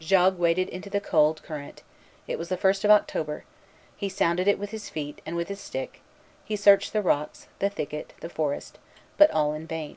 Jogues waded into the cold current; it was the first of October; he sounded it with his feet and with his stick; he searched the rocks, the thicket, the forest; but all in vain.